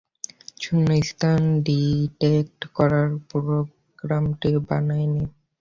শূন্য স্থান ডিটেক্ট করার প্রোগ্রামটা বানাইনি!